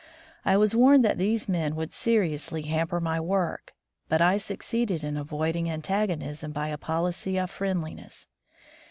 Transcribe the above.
I was warned that these men would seriously hamper my work, but I succeeded in avoiding antagonism by a policy of friendliness.